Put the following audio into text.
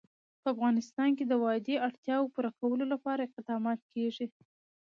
په افغانستان کې د وادي د اړتیاوو پوره کولو لپاره اقدامات کېږي.